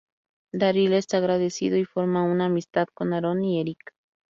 Daryl está agradecido y forma una amistad con Aaron y Eric.